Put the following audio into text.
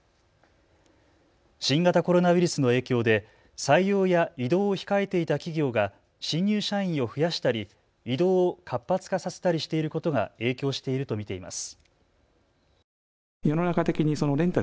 新型コロナウイルスの影響で採用や異動を控えていた企業が新入社員を増やしたり異動を活発化させたりしていることが影響していると見ています。